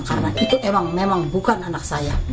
karena itu memang bukan anak saya